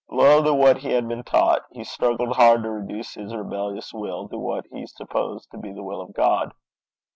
Loyal to what he had been taught, he struggled hard to reduce his rebellious will to what he supposed to be the will of God.